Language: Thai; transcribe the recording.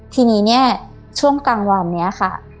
ทีนี้เนี่ยช่วงกลางวันนี้ค่ะ